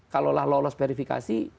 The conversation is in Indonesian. kalaulah lolos verifikasi